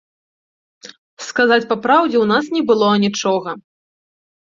Сказаць па праўдзе, у нас ні было анічога!